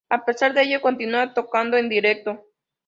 A pesar de ello continúa tocando en directo.